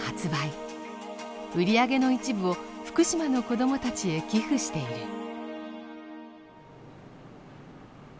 売り上げの一部を福島の子どもたちへ寄付している。